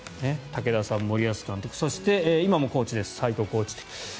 武田さん、森保監督そして今もコーチです斉藤コーチと。